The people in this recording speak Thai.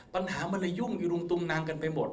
ปัญหามันเลยยุ่งอิรุงตุงนังกันไปหมด